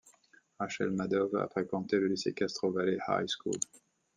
Rachel Maddow a fréquenté le lycée Castro Valley High School.